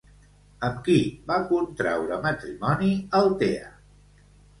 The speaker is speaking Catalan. Amb qui va contraure matrimoni Altea?